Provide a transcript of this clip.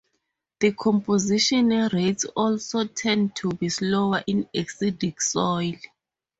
Decomposition rates also tend to be slower in acidic soils.